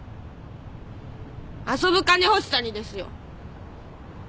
遊ぶ金欲しさにですよ！